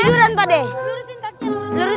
lurusin kakinya lurusin